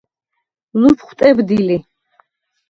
ლუფხუ̂ ტებდი ლი.